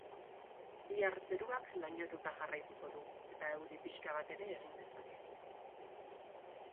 Bihar zeruak lainotuta jarraituko du eta euri pixka bat ere egin dezke.